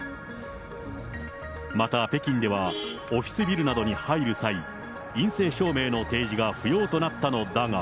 また北京では、オフィスビルなどに入る際、陰性証明の提示が不要となったのだが。